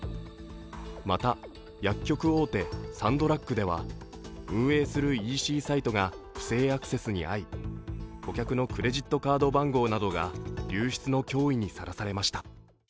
また、薬局大手サンドラッグでは運営するＥＣサイトが不正アクセスに遭い、顧客のクレジットカード番号などが流出の脅威にさらされました。